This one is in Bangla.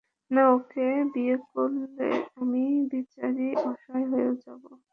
না, ওকে বিয়ে করলে আমিই বেচারি, অসহায় হয়ে যাবো।